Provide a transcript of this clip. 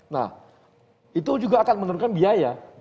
nah itu juga akan menurunkan biaya